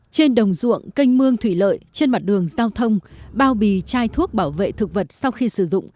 trên đồng ruộng canh mương thủy lợi trên mặt đường giao thông bao bì chai thuốc bảo vệ thực vật sau khi sử dụng